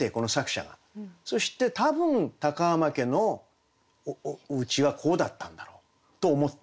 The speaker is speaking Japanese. そして多分高浜家のおうちはこうだったんだろうと思ってると。